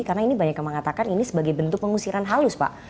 karena ini banyak yang mengatakan ini sebagai bentuk pengusiran halus